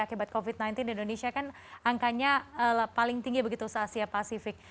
akibat covid sembilan belas di indonesia kan angkanya paling tinggi begitu se asia pasifik